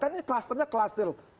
kan ini klasternya klaster